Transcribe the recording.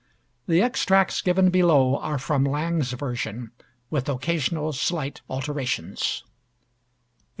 The extracts given below are from Lang's version, with occasional slight alterations.